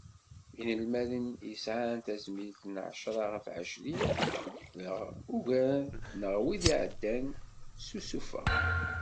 Inelmaden i yesɛan tazmilt n εecra ɣef εecrin neɣ ugar neɣ wid iɛeddan s usuffeɣ.